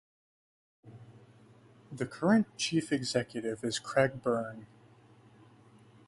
The current Chief Executive is Craig Burn.